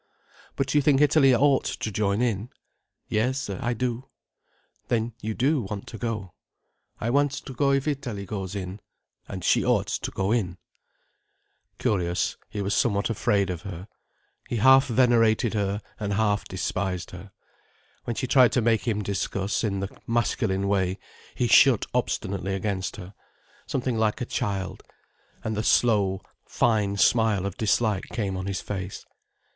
"But you think Italy ought to join in?" "Yes, I do." "Then you do want to go—" "I want to go if Italy goes in—and she ought to go in—" Curious, he was somewhat afraid of her, he half venerated her, and half despised her. When she tried to make him discuss, in the masculine way, he shut obstinately against her, something like a child, and the slow, fine smile of dislike came on his face.